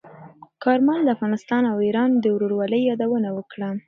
کارمل د افغانستان او ایران د ورورولۍ یادونه وکړه.